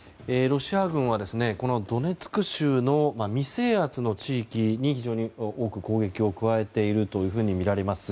ロシア軍はドネツク州の未制圧の地域に非常に多く攻撃を加えているとみられます。